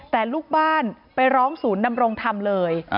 แต่ลูกบ้านไปร้องศูนย์ดำรงธรรมเลย